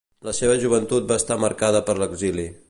La seva joventut va estar marcada per l’exili.